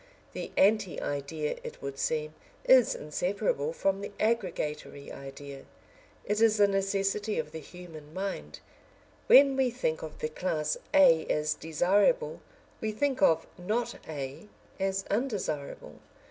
The Anti idea, it would seem, is inseparable from the aggregatory idea; it is a necessity of the human mind. When we think of the class A as desirable, we think of Not A as undesirable.